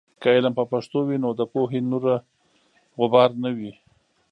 که علم په پښتو وي، نو د پوهې نوره غبار نه وي.